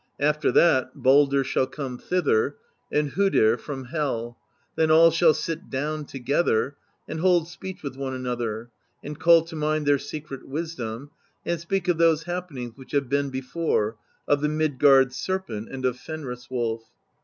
After that Baldr shall come thither, and Hodr, from Hel; then all shall sit down together and hold speech with one another, and call to mind their secret wisdom, and speak of those happenings which have been before: of the Mid gard Serpent and of Fenris Wolf.